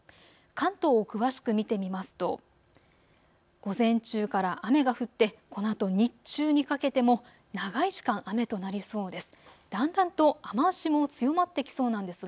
関東を詳しく見てみますと午前中から雨が降って、このあと日中にかけても長い時間雨となりそうです。